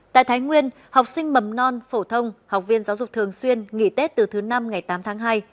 tại thái nguyên học sinh mầm non phổ thông học viên giáo dục thường xuyên nghỉ tết từ thứ năm ngày tám tháng hai